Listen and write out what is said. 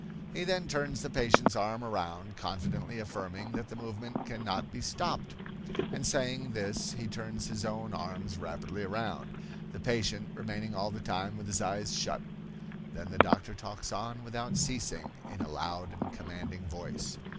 He then turns the patient's arm around, confidently affirming that the movement cannot be stopped, and saying this he turns his own arms rapidly around, the patient remaining all the time with his eyes shut; then the doctor talks on without ceasing in a loud and commanding voice.